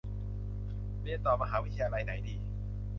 เรียนต่อมหาวิทยาลัยไหนดี